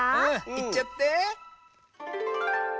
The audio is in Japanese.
いっちゃって。